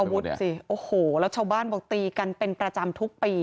แล้วดูอาวุธสิโอ้โหแล้วชาวบ้านบอกตีกันเป็นประจำทุกปี